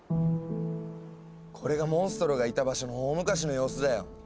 これがモンストロがいた場所の大昔の様子だよ。